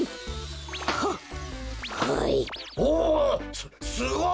すすごい！